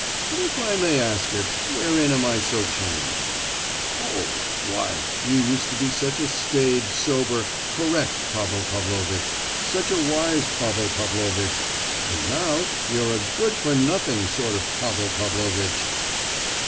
"But, if I may ask it, wherein am I so changed?" "Oh—why, you used to be such a staid, sober, correct Pavel Pavlovitch; such a wise Pavel Pavlovitch; and now you're a good for nothing sort of Pavel Pavlovitch."